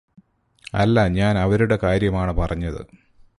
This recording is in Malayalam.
അല്ല ഞാന് അവരുടെ കാര്യമാണ് പറഞ്ഞത്